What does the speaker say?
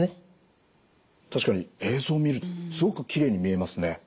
確かに映像を見るとすごくきれいに見えますね。